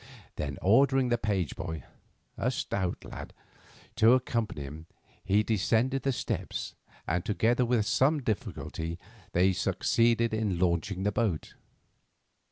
Then, ordering the page boy, a stout lad, to accompany him, he descended the steps, and together, with some difficulty, they succeeded in launching the boat.